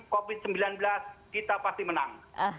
covid sembilan belas kita pasti menang